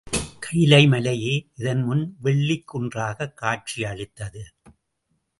கயிலை மலையே இதன்முன் வெள்ளிக் குன்றாகக் காட்சி அளித்தது.